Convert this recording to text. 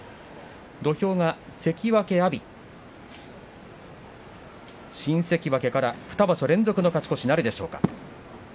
土俵が関脇阿炎新関脇から２場所連続の勝ち越しなるでしょうか。